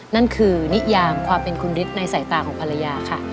นั่นคือนิยามความเป็นคุณฤทธิ์ในสายตาของภรรยาค่ะ